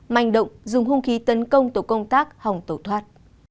mạnh động dùng hôn khí tấn công tổ công tác hồng tổ thoát